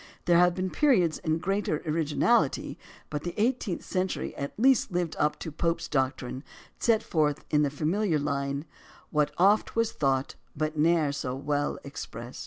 There have been periods of greater originality, but the eighteenth century at least lived up to Pope's doctrine, set forth in the famil iar line: " What oft was thought but ne'er so well exprest."